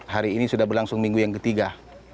hari ini sudah berlangsung minggu yang ketiga